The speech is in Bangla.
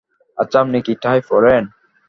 আচ্ছা, আপনি কী টাই পড়েন?